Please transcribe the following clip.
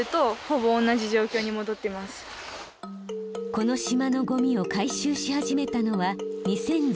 この島のゴミを回収し始めたのは２０１５年。